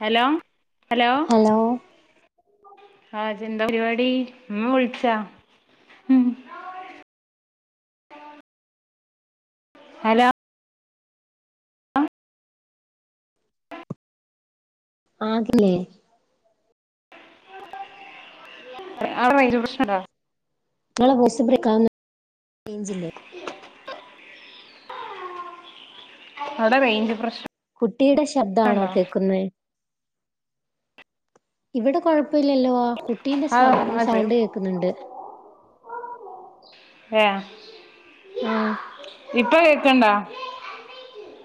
Hello hello ആഹ് ഇജ്ജെന്താ പരിപാടി ഉമ്മ വിൾച്ചാ? ഹലോ ആക്ക്ല്ലേ അവിടെ റെയിഞ്ച് പ്രശ്നണ്ടാ? ഇങ്ങളെ വോയിസ്‌ ബ്രേക്കാവ്ന്ന് റെയ്ഞ്ചില്ലേ? അവിടെ റെയിഞ്ച് പ്രശ് കുട്ടിയുടെ ശബ്ദ ആണോ കേക്കുന്നേ? ഇവിടെ കൊഴപ്പല്ലല്ലോ ആ കുട്ടീന്റെ സൗ ആഹ് അതെ സൗണ്ട് കേക്കുന്നുണ്ട് ഏഹ് ആഹ് ഇപ്പ കേക്ക്ണ്ട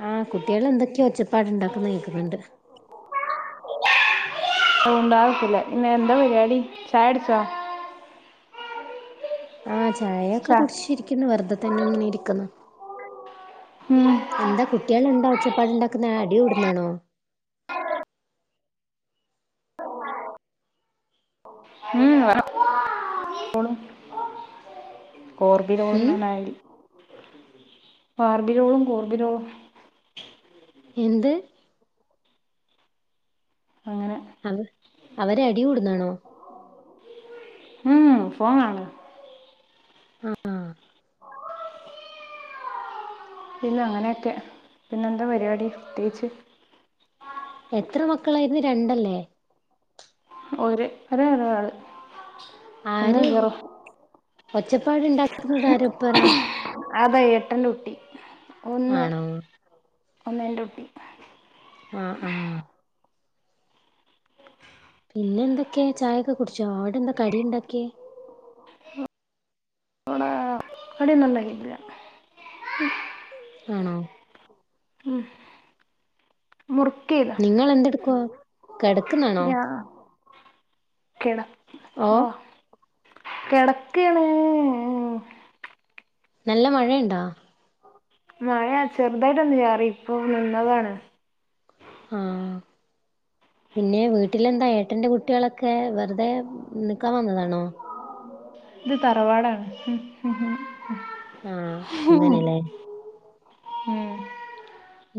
ആഹ് കുട്ട്യാള് എന്തൊക്കെയോ ഒച്ചപ്പാട്ണ്ടാക്കുന്ന കേക്കുന്നുണ്ട് അത് മുണ്ടാത്ക്കൂല. ഇന്ന് എന്താ പരിവാടി ചായടിച്ചോ? ആഹ് ചായയൊക്കെ ചാ കുടിച്ചിരിക്കുന്നു വെറുതതന്നെ ഇങ്ങനെ ഇരിക്കുന്നു. ഉം എന്താ കുട്ട്യാളെന്താ ഒച്ചപ്പാട് ഇണ്ടാക്കുന്നെ അടി കൂടുന്നാണോ? ഉം അവരെ പ്പൊളും കോർബിരോളും ഉം നന്നായി കാർബിലോളും കോർബിലോളും എന്ത് അങ്ങനെ അവ് അവരെ അടി കൂടുന്നാണോ ഉം ഫോൺ കാണു ആഹ് ആഹ് പിന്നെ അങ്ങനെയൊക്കെ പിന്നെ എന്താ പരിപാടി പ്രത്യേകിച്ച് എത്ര മക്കളായിരുന്നു രണ്ടല്ലേ ഒര് ഒരേ ഒരാള് ഒന്ന് ആര് ഗർ ഒച്ചപ്പാട്ണ്ടാക് അതാ എട്ടൻന്റെ കുട്ടി ഒന്ന് ആണോ ഒന്നെൻറ്റൂട്ടി ആഹ് ആഹ് പിന്നെ എന്തൊക്കെയാ ചായയൊക്കെ കുടിച്ചോ അവിടെ എന്താ കടി ഇണ്ടാക്കിയെ കടി ഒന്നും ഉണ്ടാക്കീട്ടില്ല ആണോ ഉം മുർക്ക ആയിരുന്നു നിങ്ങള് എന്തെടുക്കുവാ കിടക്കുന്നാണോ ഞാ കിട ഓ കിടക്കാണ് നല്ല മഴയുണ്ടോ മഴ ചെറുതായിട്ട് ഒന്ന് ചാറി ഇപ്പൊ നിന്നതാണ് ആഹ് പിന്നെ വീട്ടിലെന്താ ഏട്ടന്റെ കുട്ടികളൊക്കെ വെറുതെ നിക്കാൻ വന്നതാണോ ഇത് തറവാടാണ് ആഹ് ഉം അങ്ങനെല്ലേ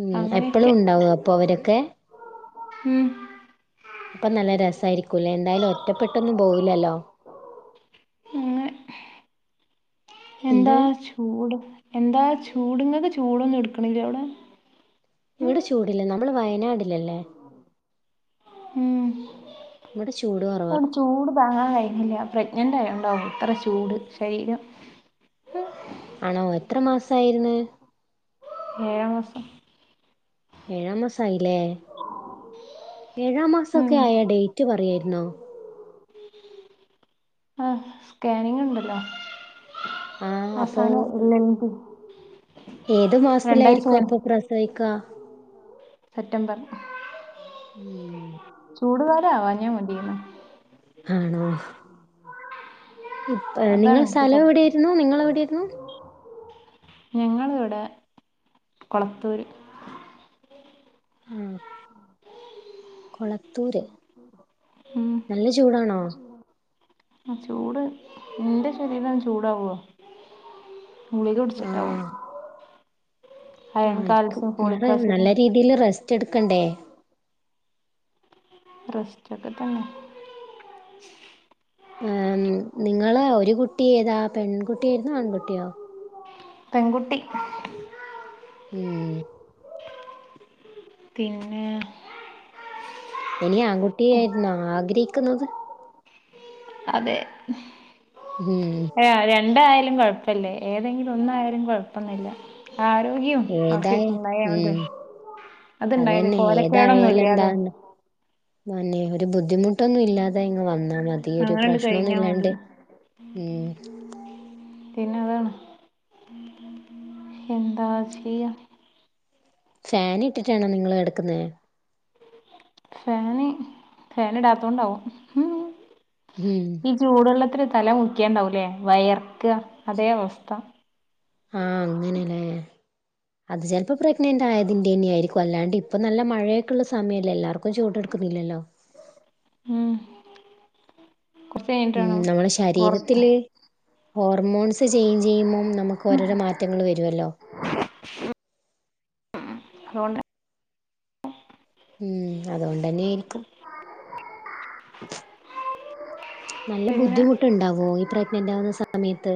ഉം എപ്പളും അങ്ങനെയൊക്കെ ഉണ്ടാവോ അപ്പൊ അവരൊക്കെ ഉം അപ്പൊ നല്ല രസമായിരിക്കൂല്ലേ എന്തായാലും ഒറ്റപ്പെട്ടൊന്നും പോവില്ലല്ലോ അങ്ങനെ എന്ത് എന്താ ചൂട് എന്താ ചൂട് ഇങ്ങക്ക് ചൂടൊന്നും എടുക്കണില്ലേ അവിടെ ! ! ! ! ! ! ! ! ഉം ഇവിടെ ചൂട് കുറവാ ഇവിടെ ചൂട് താങ്ങാൻ കഴിന്നില്ല പ്രഗ്നൻറ് ആയത് കൊണ്ടാവും ഇത്ര ചൂട് ശരീരം ആണോ എത്ര മാസായിരിന്ന് ഏഴാം മാസം ഏഴാം മാസയില്ലേ ഏഴാം മാസം ഉം ഒക്കെ ആയ ഡേറ്റ് പറയായിരുന്നോ ആ സ്കാനിങ് ഉണ്ടല്ലോ ആഹ് അപ്പൊ അവസാനം എൽ എം പി ഏതു മാസത്തിലായിരിക്കും അപ്പൊ പ്രസവിക്ക സെപ്റ്റംബർ ഉം ചൂട് കാലം ആവാഞ്ഞ മതിയാരുന്നു ആണോ ഇപ്പഴ് അതാണ് നിങ്ങൾ എനിക്ക് പ സ്ഥലം എവിടെയായിരുന്നു നിങ്ങള് എവിടൊയിരുന്നു ! ! ! ! ! ! ! ! ഉം കൊളത്തൂര് ഉം നല്ല ചൂടാണോ ആഹ് ചൂട് ഇന്റെ ശരീരം ചൂടാവുവാ ഗുളിക കുടിച്ചിട്ടാവും ആഹ് അയൺ ആയിരിക്കും കാൽസ്യം ഫോളിക് എന്നാലും നല്ല ആസിഡും രീതിയില് റെസ്റ്റ് എടുക്കണ്ടേ റെസ്റ്റ് ഒക്കെ തന്നെ ആഹ് നിങ്ങള് ഒരു കുട്ടി ഏതാ പെൺകുട്ടിയായിരുന്നോ ആൺകുട്ടിയോ പെൺകുട്ടി ഉം പിന്നെ ഇനി ആൺകുട്ടിയെ ആയിരുന്നോ ആഗ്രഹിക്കുന്നത് അതെ ഉം [unintelligible] എന്തായാലും കൊഴപ്പില്ലേ ഏതെങ്കിലും ഒന്നായാലും കൊഴപ്പൊന്നും ഇല്ല ആരോഗ്യം ഏതായ ആഫിയത്തും ഉണ്ടായ മതി ഉം അത്ണ്ടായത് കോലക്കേടൊന്നും ഇല്ല്യാതെ അന്നെ ഒരു ബുദ്ധിമുട്ടൊന്നും ഇല്ലാതെ ഇങ്ങ് വന്നാ മതി ഒരു അങ്ങനണ്ട് പ്രശ്നൊന്നും കഴിഞ്ഞാ മതി ഇല്ലാണ്ട് ഉം പിന്നെ അതാണ് എന്താ ചെയ്യാ ഫാൻ ഇട്ടിട്ടാണോ നിങ്ങള് കെടുക്കുന്നെ ഫാന് ഫാൻ ഇടാത്തൊണ്ടാാവും ഉം ഉം ഈ ചൂടുവെള്ളത്തില് തല മുക്കിയാണ്ടാവൂല്ലേ വിയർക്കുക അതേ അവസ്ഥ ആഹ് അങ്ങനല്ലേ അത് ചിലപ്പോ പ്രഗ്നന്റ് ആയതിന്റെ തന്നെയായിരിക്കും അല്ലാണ്ട് ഇപ്പൊ നല്ല മഴയൊക്കെുള്ള സമയല്ലേ എല്ലാർക്കും ഇപ്പൊ ചൂട് എടുക്കുന്നില്ലല്ലോ ഉം കുറച്ച് കഴിഞ്ഞിട്ട് ഉം വേണം നമ്മളെ പുറത്ത് ശരീരത്തില് ഹോർമോൺസ് ചേഞ്ച് ചെയ്യുമ്പോം നമുക്ക് ഓരോരോ മാറ്റങ്ങള് വരുമല്ലോ അതുകൊണ്ട് ഉം അതുകൊണ്ടന്നെയായിരിക്കും നല്ല പിന്നെ ബുദ്ധിമുട്ടുണ്ടാവോ ഈ പ്രഗ നന്റ് ആവുന്ന സമയത്ത്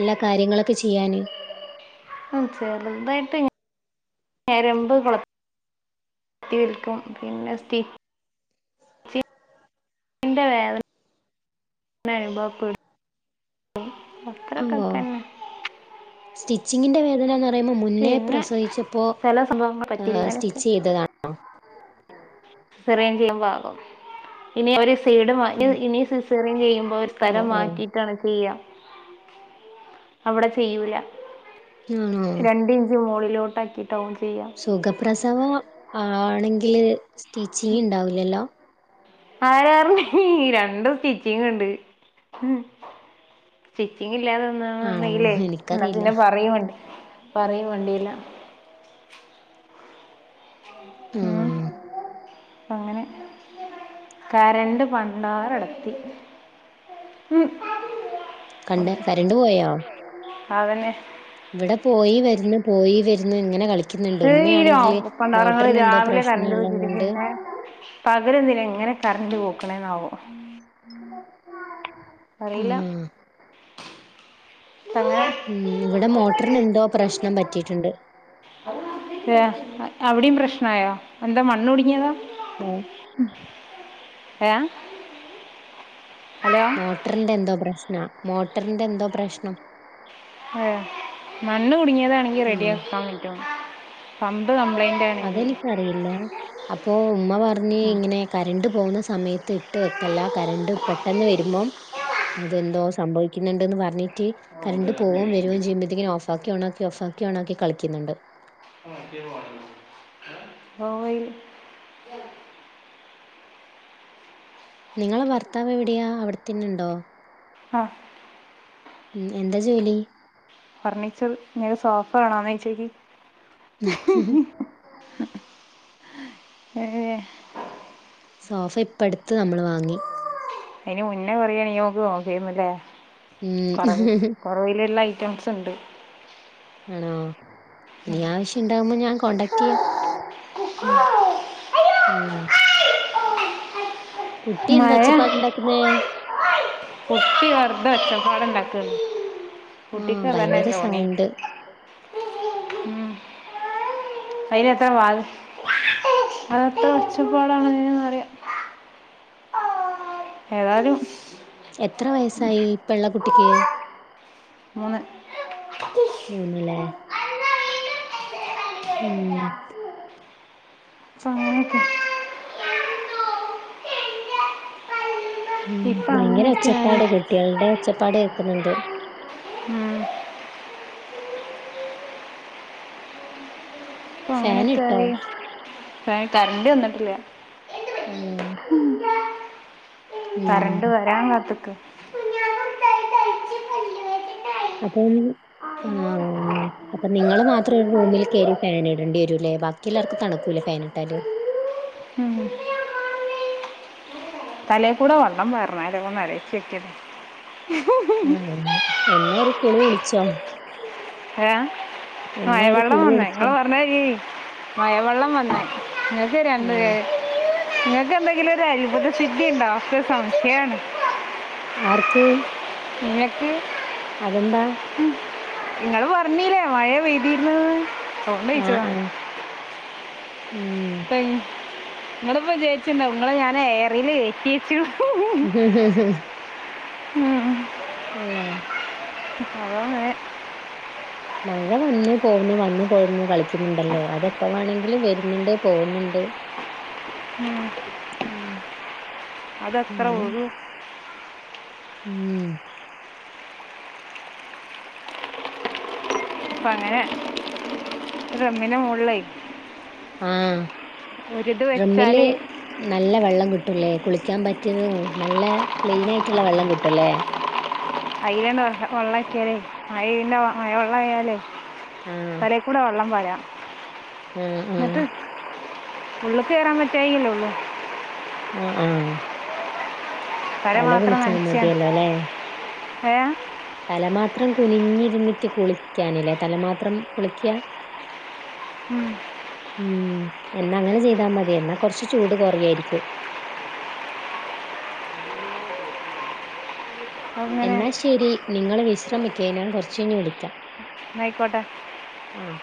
എല്ലാ കാര്യങ്ങളൊക്കെ ചെയ്യാന് ആഹ് ചെറുതായിട്ട് ഇങ്ങ ഞരമ്പ് കൊള തീർക്കും പിന്നെ സ്റ്റി എന്റെ വേദ ന വരുമ്പോ ഓ അത്രയൊക്കെത്തന്നെ സ്റ്റിച്ചിങ്ങിന്റെ വേദന എന്ന് പറയുമ്പോൾ മുന്നേ പിന്നെ പ്രസവിച്ചപ്പോ ചില സംഭവങ്ങൾ പറ്റില്ല അങ്ങനൊക്കെ സ്റ്റിച്ച് ചെയ്തതാണ് [unintelligible] സിസേറിയൻ ചെയ്യുമ്പോ ആകും ഇനി അവര് സൈഡ് മാ ഇ ഇനി സിസേറിയൻ ചെയ്യുമ്പോൾ അവരു ഓഹ് സ്ഥലം ഓഹ് മാറ്റി യിട്ടാണാ ചെയ്യാ അവിടെ ചെയ്യൂല ആണോ രണ്ട് ഇഞ്ച് മോളിലോട്ടാക്കിയിട്ട് ആവും ചെയ്യുക സുഖപ്രസവം ആണെങ്കില് സ്റ്റിച്ചിങ് ഉണ്ടാവില്ലല്ലോ ആരാ പറഞ്ഞെ ഈ രണ്ട് സ്റ്റിച്ചിങ് ഉണ്ട് സ്റ്റിച്ചിങ് ഇല്ലാതെ ഒന്നാണ് ആണോ ന്നയ്ലെ എന്നാ എനിക്കറിയില്ല പിന്നെ പറയു വാണ്ട് പറയ വാണ്ടില്ലാ ഉം ആഹ് അങ്ങനെ കരണ്ട് പണ്ടാറടത്തി മ് കണ്ട് കരണ്ട് പോയോ അതന്നെ ഇവിടെ പോയി വരുന്നു പോയി വരുന്നു ഇങ്ങനെ കളിക്കുന്നു തീരോ പണ്ടാറങ്ങൾ എന്തോ രാവിലെ പ്രശ്നം കരണ്ട് ഉള്ളത് കൊണ്ട് വെച്ചിരിക്കുന്നെ പകലെന്തിനാ ഇങ്ങനെ കറണ്ട് പോക്കണന്നാവോ അറിയില്ല ആഹ് [unintelligible] ഉം ഇവിടെ മോട്ടറിന് എന്തോ പ്രശ്നം പറ്റിയിട്ടുണ്ട് അവിടയും പ്രശ്നായോ എന്താ മണ്ണ കുടുങ്ങിയതാ [unintelligible] [unintelligible] ഹലോ മോട്ടറിന്റെ എന്തോ പ്രശ്നാ മോട്ടറിന്റെ എന്തോ പ്രശ്നം ഏഹ് മണ്ണ് കുടുങ്ങിയതാണെങ്കിൽ റെഡി ഉം ആക്കാൻ പറ്റും പമ്പ് കംപ്ലൈൻറ് അതെനിക്കറിയില്ല അപ്പൊ ഉമ്മ പറഞ്ഞ് ഇങ്ങനെ കരണ്ട് പോകുന്ന സമയത്ത് ഇട്ട് വെത്തല്ല കരണ്ട് പെട്ടെന്ന് വരുമ്പോം അതെന്തോ സംഭവിക്കുന്നുണ്ടന്ന് പറഞ്ഞിട്ട് കറണ്ട് പോവേം വരുവേം ചെയ്യുമ്പോഴത്തേക്ക് ഓഫാക്കി ഓണാക്കി ഓഫാക്കി ഓണാക്കി കളിക്കുന്നുണ്ട് ആഹ് കേറിവാ ഓയ്. നിങ്ങളെ ഭർത്താവ് എവിടെയാ അവിടെത്തന്നെണ്ടോ? ആഹ്. ഉം എന്താ ജോലി? ഫർണിച്ചർ ഇങ്ങക്ക് സോഫ വേണോന്നോയ്ച്ചോക്കി. ഏഹ്. സോഫ ഇപ്പ അടുത്ത് നമ്മൾ വാ അയിന് മുന്നേ പറയാണെങ്കി നമക്ക് നോക്കേര്ന്നുല്ലേ. ഉം. അയിലുള്ള ഐറ്റംസ് ഇണ്ട്. ആണോ ഇനി ആവ്ശ്യം ഇണ്ടാവുമ്പോ ഞാൻ കോണ്ടാക്ടെയ്യാം. ഉം. കുട്ടി എന്താ മഴ ഒച്ചപ്പാടുണ്ടാക്കുന്നേ? കുട്ടി വെർതെ ഒച്ചപ്പാട് ഇണ്ടാക്കാണ്. ആഹ് കുട്ടിക്ക് ഭയങ്കര അതന്നെല്ലെ പണി സൗണ്ട് ഉം. അയ്ന് എത്ര വാഹ് അതെത്ര ഒച്ചപ്പാടാണ്ന്നറിയാം. ആഹ് ഏതായാലും. എത്ര വയസായി ഇപ്പള്ള കുട്ടിക്ക്. മൂന്ന്. മൂന്ന്ലെ. ഉം. പാ [unintelligible] ഉം ഇപ്പൊ ഭയങ്കര അങ്ങനെയൊക്കെ ആയി ഒച്ചപ്പാട് കുട്ട്യാള്ടെ ഒച്ചപ്പാട് കേക്കുന്നുണ്ട്. ഉം. അപ്പൊ അങ്ങനെയൊക്കെ ഫാനിട്ടോ ആയി ഏഹ് കറണ്ട് വന്നിട്ടില്ല. ഹലോ. കറണ്ട് വരാ കാത്ത്ക്കാ. [unintelligible] ആഹ് അപ്പൊ നിങ്ങള് മാത്രം ഒരു റൂമിൽ കേറി ഫാൻ ഇടേണ്ടി വരൂല്ലേ ബാ ക്കി എല്ലാർക്കും തണുക്കൂലെ ഫേന്ട്ടാല്. ഉം. തലേ കൂടെ വള്ളം പാർന്നാലോ ന്നാലോയ്ച്ചോക്കിയത. ആഹ് എന്ന എന്നാ ഒരു കുളി കുളിച്ചോ? ഏഹ് എന്നാ മഴ ഒരു വെള്ളം കുളി വന്ന് വിളിച്ചോ ഇങ്ങള് പർ ങ്ങട്ടോക്കി മഴവെള്ളം വന്ന് ഇങ്ങക്ക് രണ്ടു ഉം പേ ഇങ്ങക്ക് എന്തെങ്കിലും ഒരു അത്ഭുത സിദ്ധി ഉണ്ടോ ഇക്ക് ഒരു സംശയാണ്. ആർക്ക്. ഇങ്ങക്ക്. അതെന്താ? ഉം ഇങ്ങള് പറഞ്ഞീല്ലേ മഴ പെയ്തിര്ന്ന്ന്ന് ആഹ് അതോണ്ടോയ്ച്ചതാ. ആഹ് ഉം [unintelligible] ഇങ്ങൾ പ്പൊ വിജാര്ച്ച്ണ്ടാവും ഇങ്ങളെ ഞാൻ എയറിൽ കേറ്റിച്ചന്ന്. ഹ് ഹ് ഹ്. ഇല്ല അതാ മഴ. മഴ വന്നു പോവുന്നു വന്നു പോവുന്നു കളിക്കുന്നുണ്ടല്ലോ അതെപ്പോ വേണങ്കിലും വരുന്നുണ്ട് പോവുന്നുണ്ട്. ഉം. ഉം. അതത്ര ആണ് ഒലു. ഉം. ഇപ്പ അങ്ങനെ റമ്മിന്റെ മോള്ലെ. ആഹ് റമ്മിൽ വെച്ചാല് നല്ല വെള്ളം കിട്ടൂലേ കുളിക്കാൻ പറ്റിയതും നല്ല ക്ലീൻ ആയിട്ടുള്ള വെള്ളം കിട്ടൂല്ലേ അയിലണ്ട വെ വെള്ളം ഒക്കിയാലേ അയിറെ മഴ വെള്ള ആയാലേ ആഹ് കൂടെ വെള്ളം വരാം ആഹ് ആഹ് എന്നിട്ട് ഉള്ള്ക് കയറാൻ പററയില്ലേ ഉള്ളൂ. ആഹ് ആഹ് തല മാത്രം കുളിച്ചാ നനക മതിയല്ലോ അല്ലെ എ തല മാത്രം കുനിഞ്ഞിരുന്നിട്ട് കുളിക്കാനില്ലേ തല മാത്രം കുളിക്കുക ഉം ഉം എന്നാ അങ്ങനെ ചെയ്താ മതി എന്നാ കൊറച്ച് ചൂട് കുറയായിരിക്കും. അങ്ങനെ എന്നാൽ ശരി നിങ്ങള് വിശ്രമിക്ക് ഞാൻ കുറച്ച് കഴിഞ്ഞ് വിളിക്കാം. നൈക്കോട്ട ആഹ്